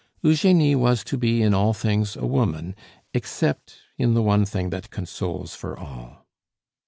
Eugenie was to be in all things a woman, except in the one thing that consoles for all.